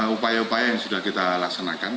upaya upaya yang sudah kita laksanakan